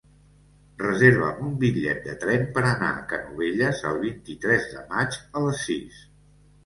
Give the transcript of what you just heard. Reserva'm un bitllet de tren per anar a Canovelles el vint-i-tres de maig a les sis.